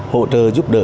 hỗ trợ giúp đỡ